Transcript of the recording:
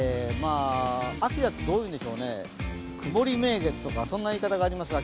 秋だとどう言うんでしょうね、曇り名月とかそんな言い方がありますが。